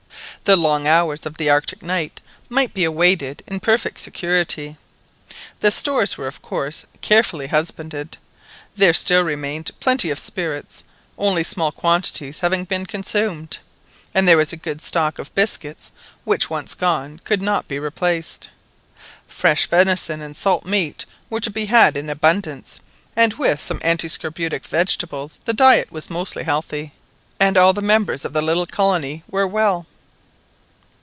The long hours of the Arctic night might be awaited in perfect security. The stores were of course carefully husbanded. There still remained plenty of spirits, only small quantities having been consumed; and there was a good stock of biscuits, which, once gone, could not be replaced. Fresh venison and salt meat were to be had in abundance, and with some antiscorbutic vegetables, the diet was most healthy; and all the members of the little colony were well.